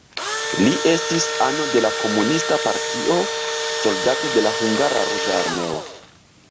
Li estis ano de la komunista partio, soldato de la hungara ruĝa armeo.